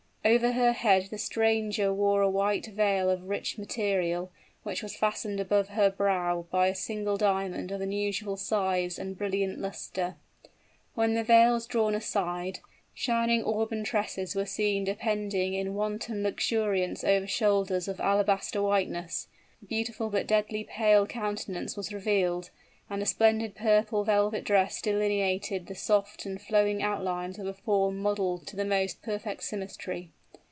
Over her head the stranger wore a white veil of rich material, which was fastened above her brow by a single diamond of unusual size and brilliant luster. When the veil was drawn aside, shining auburn tresses were seen depending in wanton luxuriance over shoulders of alabaster whiteness: a beautiful but deadly pale countenance was revealed; and a splendid purple velvet dress delineated the soft and flowing outlines of a form modeled to the most perfect symmetry.